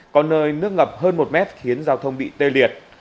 có nơi nước ngập hơn một mét khiến giao thông bị tê liệt